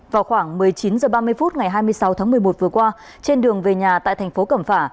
vào khoảng một mươi chín h ba mươi phút ngày hai mươi sáu tháng một mươi một vừa qua trên đường về nhà tại thành phố cẩm phả